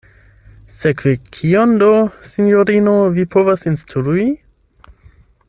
Sekve kion do, sinjorino, vi povas instrui?